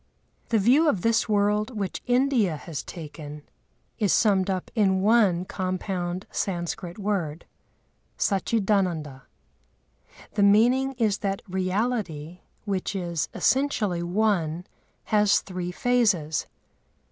The view of this world which India has taken is summed up in one compound Sanskrit word, Sachidānanda. The meaning is that Reality, which is essentially one, has three phases.